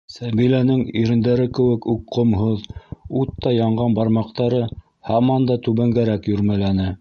- Сәбиләнең ирендәре кеүек үк ҡомһоҙ, уттай янған бармаҡтары һаман да түбәнгәрәк йүрмәләне.